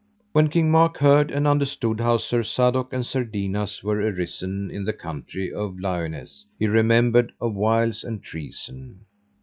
When King Mark heard and understood how Sir Sadok and Sir Dinas were arisen in the country of Liones he remembered of wiles and treason.